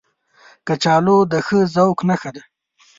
کچالو د ښه ذوق نښه ده